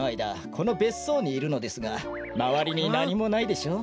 このべっそうにいるのですがまわりになにもないでしょう？